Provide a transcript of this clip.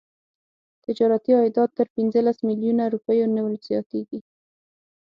تجارتي عایدات تر پنځلس میلیونه روپیو نه زیاتیږي.